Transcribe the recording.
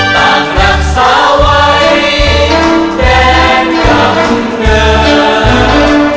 ต่างนักสาวไว้แดนกับเหนือ